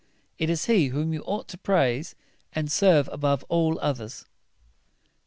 It is he whom you ought to praise and serve above all others."